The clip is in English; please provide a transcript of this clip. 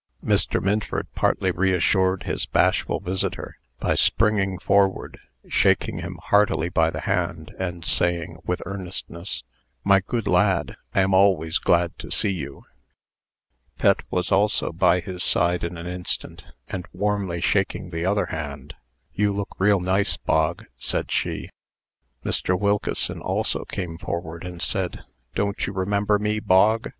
Mr. Minford partly reassured his bashful visitor, by springing forward, shaking him heartily by the hand, and saying, with earnestness, "My good lad, I am always glad to see you." Pet was also by his side in an instant, and warmly shaking the other hand. "You look real nice, Bog," said she. Mr. Wilkeson also came forward, and said, "Don't you remember me, Bog?"